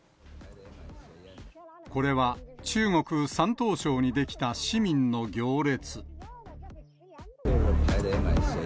これは中国・山東省に出来た市民の行列。